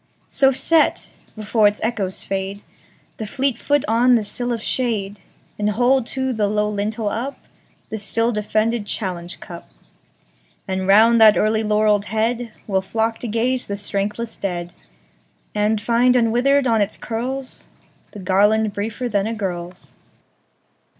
So set, before its echoes fade, The fleet foot on the sill of shade, And hold to the low lintel upThe still defended challenge cup. And round that early laurelled headWill flock to gaze the strengthless dead, And find unwithered on its curlsThe garland briefer than a girl's.